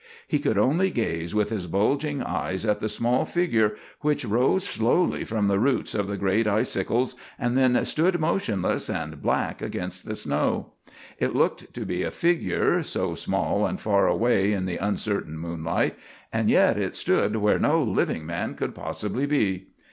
He could only gaze with his bulging eyes at the small figure which rose slowly from the roots of the great icicles and then stood motionless and black against the snow. It looked to be a figure, so small and far away in the uncertain moonlight, and yet it stood where no living man could possibly be.